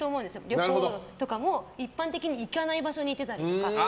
旅行とかも、一般的に行かない場所に行ってたりとか。